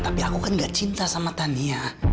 tapi saya tidak mencintai tania